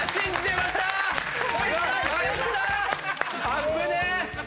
危ねえ。